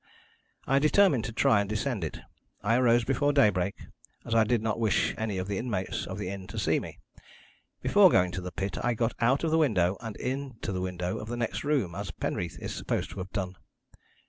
I determined to try and descend it. I arose before daybreak, as I did not wish any of the inmates of the inn to see me. Before going to the pit I got out of the window and into the window of the next room, as Penreath is supposed to have done.